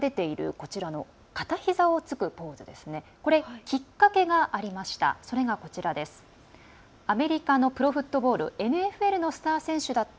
これ、きっかけがありました。